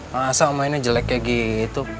masa mainnya jelek kayak gitu